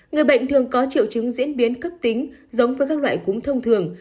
người bệnh thường có triệu chứng diễn biến cấp tính giống với các loại cúng thông thường